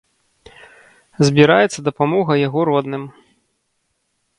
Збіраецца дапамога яго родным.